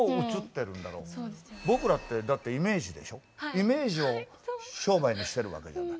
イメージを商売にしてるわけじゃない？